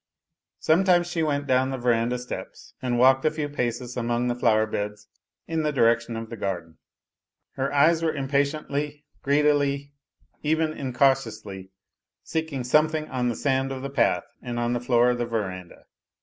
Sometimes she went down the verandah steps and walked a few paces among the flower beds in the direction of the garden ; her eyes were impatiently, greedily, even incautiously, seeking something on the sand of the path and on the floor of the verandah.